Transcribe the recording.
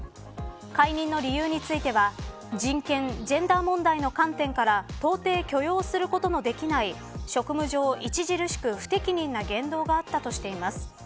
解任の理由については人権、ジェンダー問題の観点から到底許容することのできない職務上、著しく不適任な言動があったとしています。